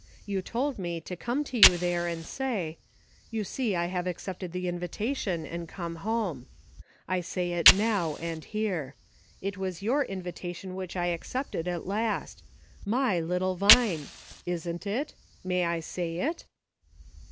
You told me to come to you there and say, ' You see I have accepted the invitation, and come home.' I say it now and here ; it was your invi tation which I accepted at last — my little Vine ! isn't it } May I say it